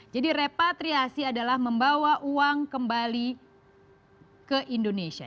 jadi repatriasi adalah membawa uang kembali ke indonesia